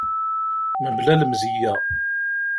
Mebla lemzeyya.